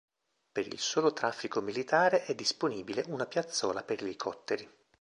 Per il solo traffico militare è disponibile una piazzola per elicotteri.